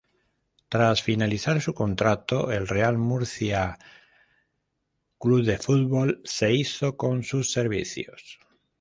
Tras finalizar su contrato, el Real Murcia C. F. se hizo con sus servicios.